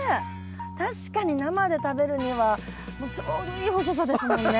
確かに生で食べるにはちょうどいい細さですもんね。